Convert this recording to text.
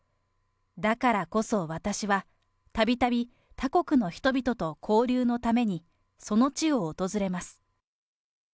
だからこそ私はたびたび他国の人々と交流のために、その地を訪れます。